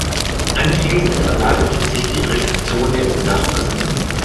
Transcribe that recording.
Anschließend verlagerte sich die Riftzone nach Osten.